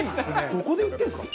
どこで売ってるんですか？